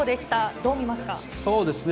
どう見ますか？